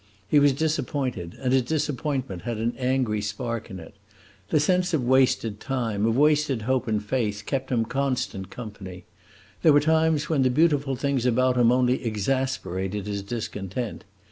He was disappointed, and his disappointment had an angry spark in it. The sense of wasted time, of wasted hope and faith, kept him constant company. There were times when the beautiful things about him only exasperated his discontent.